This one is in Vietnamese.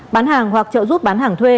bán hàng hoặc trợ giúp bán hàng thuê